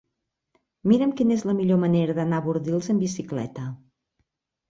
Mira'm quina és la millor manera d'anar a Bordils amb bicicleta.